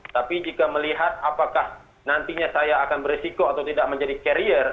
tapi jika melihat apakah nantinya saya akan beresiko atau tidak menjadi carrier